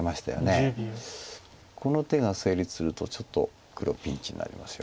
この手が成立するとちょっと黒ピンチになります。